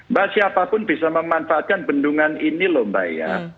mbak siapapun bisa memanfaatkan bendungan ini loh mbak ya